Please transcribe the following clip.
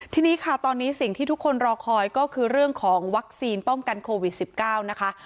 ทีนี้ค่ะตอนนี้สิ่งที่ทุกคนรอคอยก็คือเรื่องของวัคซีนป้องกันโควิด๑๙นะคะ